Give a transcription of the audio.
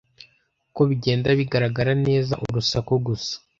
ko bigenda bigaragara neza urusaku gusa